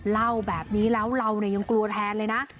เล่าแบบนี้แล้วเรายังกลัวแทนเลยนะ